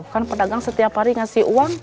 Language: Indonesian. kan pedagang setiap hari ngasih uang